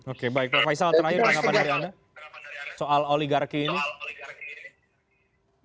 oke baik prof faisal terakhir apa pendapat dari anda soal oligarki ini